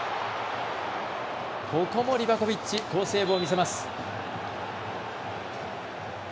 ここもリバコビッチ好セーブを見せます。